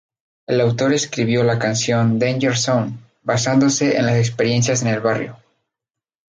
El autor escribió la canción "Danger Zone" basándose en las experiencias en el barrio.